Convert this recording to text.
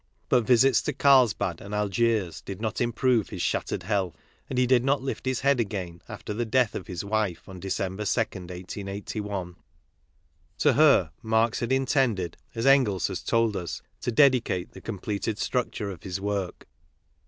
But visits to Karlsbad and Algiers did not improve his shattered health ; and he did not lift his head again after the death of his wife on December 2nd, 1881. To her, Marx had intended, as Engels has told us, to dedicate the completed structure of his work.